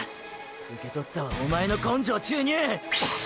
受けとったわおまえの“根性注入”！！